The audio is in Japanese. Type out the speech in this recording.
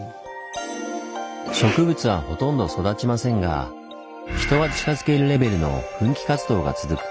植物はほとんど育ちませんが人は近づけるレベルの噴気活動が続く